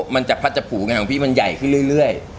มันจะพัดจับผูไงของพี่มันใหญ่ขึ้นเรื่อย